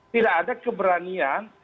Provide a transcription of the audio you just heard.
tidak ada keberanian